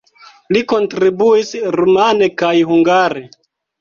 Li kontribuis rumane kaj hungare.